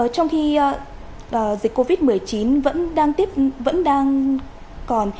trong khi dịch covid một mươi chín vẫn đang còn